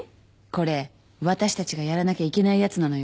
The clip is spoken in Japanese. これ私たちがやらなきゃいけないやつなのよ。